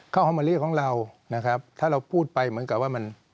หอมมะลิของเรานะครับถ้าเราพูดไปเหมือนกับว่ามัน